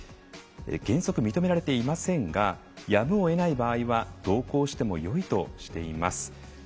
原則、認められていませんがやむをえない場合は同行してもよいとしています。